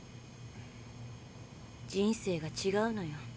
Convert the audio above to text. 人生がちがうのよ。